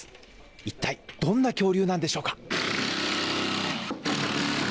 一体どんな恐竜なんでしょうか。